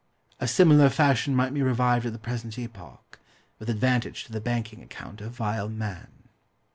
A similar fashion might be revived at the present epoch, with advantage to the banking account of vile man.